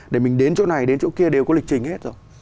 để mình đến chỗ này đến chỗ kia đều có lịch trình hết rồi